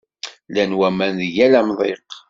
Llan waman deg yal amḍiq.